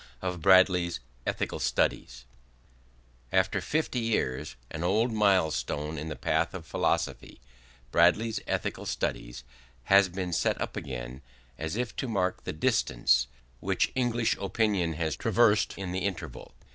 II FIFTY YEARS OF BRITISH IDEALISM After fifty years, an old milestone in the path of philosophy, Bradley's Ethical Studies, has been set up again, as if to mark the distance which English opinion has traversed in the interval.